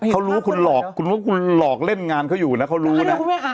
เขารู้ว่าคุณหลอกเล่นงานเขาอยู่นะเขารู้นะ